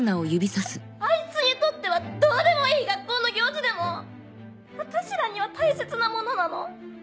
あいつにとってはどうでもいい学校の行事でも私らには大切なものなの。